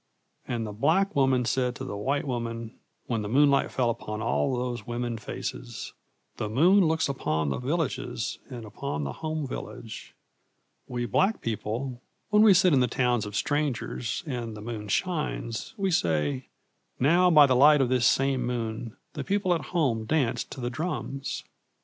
And the black woman said to the white woman when the moonlight fell upon all those women faces, 'The moon looks upon the villages and upon the home village. We black people, when we sit in the towns of strangers and the moon shines, we say, "Now by the light of this same moon the people at home dance to the drums!"